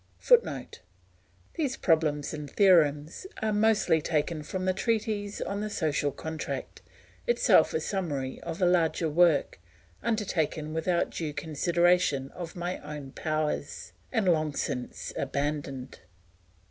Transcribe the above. [Footnote: These problems and theorems are mostly taken from the Treatise on the Social Contract, itself a summary of a larger work, undertaken without due consideration of my own powers, and long since abandoned.